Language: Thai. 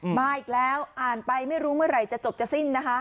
มาอีกแล้วอ่านไปไม่รู้เมื่อไหร่จะจบจะสิ้นนะคะ